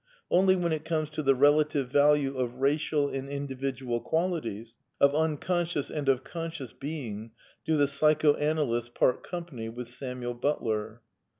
Only when it comes to the relative value of racial and individual qualities, of unconscious and of conscious being, do the psychoanalysts part company with Samuel Butler.